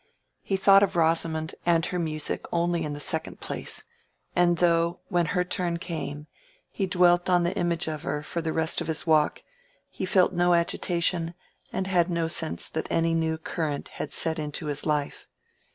He thought of Rosamond and her music only in the second place; and though, when her turn came, he dwelt on the image of her for the rest of his walk, he felt no agitation, and had no sense that any new current had set into his life.